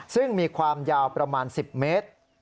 ซึ่งมีความยาวประมาณ๑๐เมตร